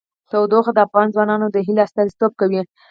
تودوخه د افغان ځوانانو د هیلو استازیتوب کوي.